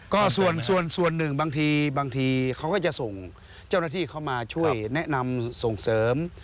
ก็ส่วนส่วนหนึ่งบางทีบางทีเขาก็จะส่งเจ้าหน้าที่เข้ามาช่วยแนะนำส่งเสริม